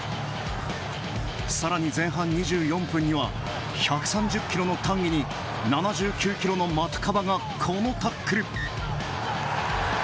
さらに前半２４分には１３０ｋｇのタンギに７９ｋｇのマトゥカバがこのタックル。